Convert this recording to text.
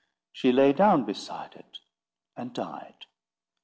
She lay down beside it and died.